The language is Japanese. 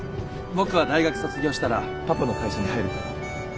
僕は大学卒業したらパパの会社に入ると思う。